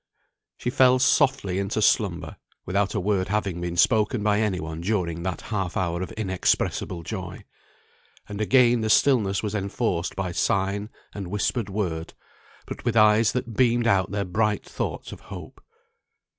She fell softly into slumber, without a word having been spoken by any one during that half hour of inexpressible joy. And again the stillness was enforced by sign and whispered word, but with eyes that beamed out their bright thoughts of hope.